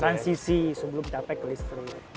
transisi sebelum kita sampai ke listrik